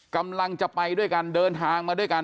กำลังจะไปด้วยกันเดินทางมาด้วยกัน